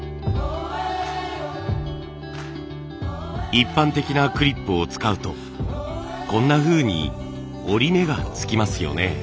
一般的なクリップを使うとこんなふうに折り目がつきますよね？